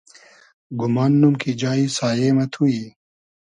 گومان نوم کی جایی سایې مۂ تو یی